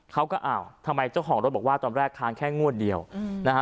เขาก็อ้าวทำไมเจ้าของรถบอกว่าตอนแรกค้างแค่งวดเดียวนะฮะ